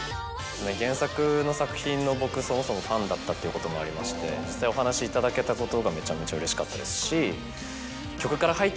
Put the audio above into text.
原作の作品の僕そもそもファンだったってこともありまして実際お話頂けたことがめちゃめちゃうれしかったですし。